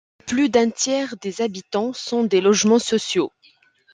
Plus d'un tiers des habitations sont des logements sociaux.